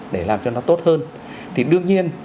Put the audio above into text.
để làm cho nó tốt hơn thì đương nhiên